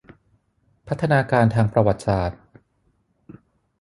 พัฒนาการทางประวัติศาสตร์